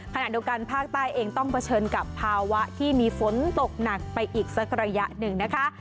ขณะเดียวกันภาคใต้เองต้องเผชิญกับภาวะที่มีฝนตกหนักไปอีกสักระยะหนึ่งนะคะ